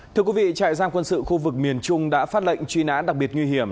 thưa quý vị trại giam quân sự khu vực miền trung đã phát lệnh truy nã đặc biệt nguy hiểm